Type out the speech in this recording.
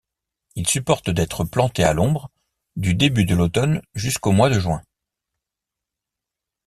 Il supporte d'être planté à l'ombre, du début de l'automne jusqu'au mois de juin.